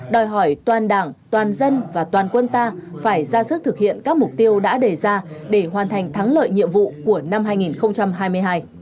đòi hỏi toàn đảng toàn dân và toàn quân ta phải ra sức thực hiện các mục tiêu đã đề ra để hoàn thành thắng lợi nhiệm vụ của năm hai nghìn hai mươi hai